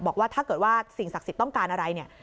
บอกว่าถ้าเกิดว่าสิ่งศักดิ์สิทธิ์ต้องการอะไรเนี่ย